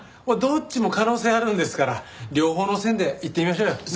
どっちも可能性あるんですから両方の線でいってみましょうよ。